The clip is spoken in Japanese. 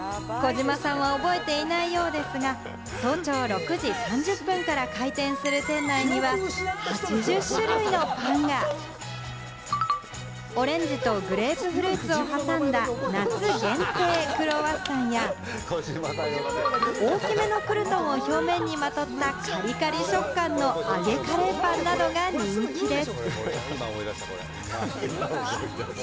児嶋さんは覚えていないようですが、早朝６時３０分から開店する店内には、８０種類のパンがオレンジとグレープフルーツを挟んだ夏限定クロワッサンや大きめのクルトンを表面にまとったカリカリ食感の揚げカレーパンなどが人気です。